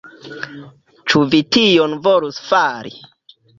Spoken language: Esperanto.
Ĉu vi tion volus fari?